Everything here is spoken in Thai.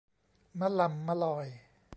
มะลำมะลอย